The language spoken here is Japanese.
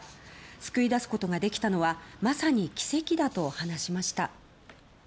救い出すことができたのはまさに奇跡だと話しました。